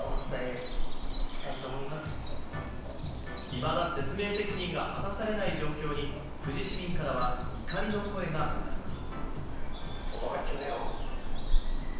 いまだ説明責任が果たされない状況に、富士市民からは怒りの声が上がります。